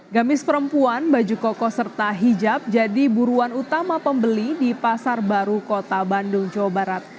gamis perempuan baju koko serta hijab jadi buruan utama pembeli di pasar baru kota bandung jawa barat